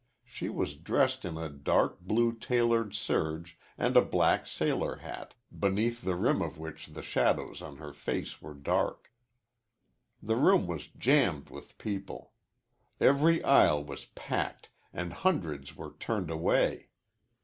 She was dressed in a dark blue tailored serge and a black sailor hat, beneath the rim of which the shadows on her face were dark. The room was jammed with people. Every aisle was packed and hundreds were turned away.